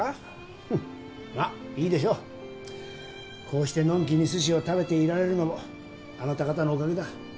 こうしてのんきにすしを食べていられるのもあなた方のおかげだ。